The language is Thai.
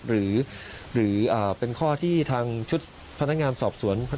หรือเป็นข้อที่ทางชุดพนักงานสอบสวน